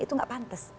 itu enggak pantes